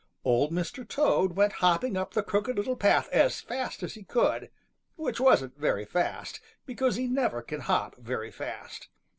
Old Mr. Toad went hopping up the Crooked Little Path as fast as he could, which wasn't very fast, because he never can hop very fast.